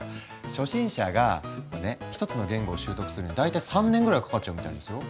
初心者がこれね一つの言語を習得するのに大体３年ぐらいかかっちゃうみたいですよ。